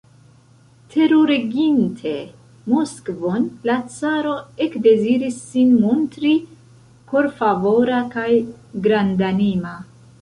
Terureginte Moskvon, la caro ekdeziris sin montri korfavora kaj grandanima.